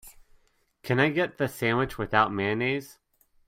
Can I get the sandwich without mayonnaise?